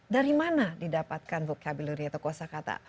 dari mana didapatkan vocability atau kosa kata